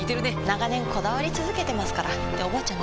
長年こだわり続けてますからっておばあちゃん